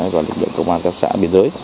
và lực lượng công an các xã biên giới